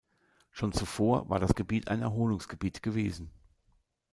Schon zuvor war das Gebiet ein Erholungsgebiet gewesen.